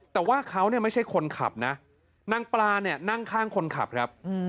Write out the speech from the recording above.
แต่ว่าเขาเนี่ยไม่ใช่คนขับนะนางปลาเนี่ยนั่งข้างคนขับครับ